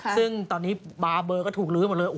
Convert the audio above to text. ซึ่งตอนนี้บาร์เบลก็ถูกลื้มรู้